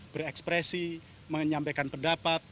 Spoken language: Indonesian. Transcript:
berekspresi menyampaikan pendapat